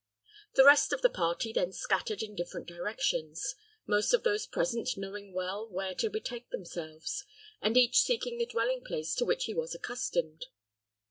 The rest of the party then scattered in different directions, most of those present knowing well where to betake themselves, and each seeking the dwelling place to which he was accustomed.